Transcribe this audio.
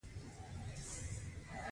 هغې د زړه له کومې د ماښام ستاینه هم وکړه.